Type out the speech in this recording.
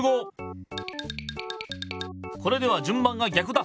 これでは順番がぎゃくだ。